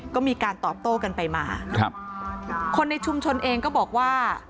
ก็มีการตอบโต้กันไปมาครับคนในชุมชนเองก็บอกว่า